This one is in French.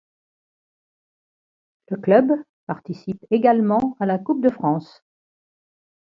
Le club participe également à la Coupe de France.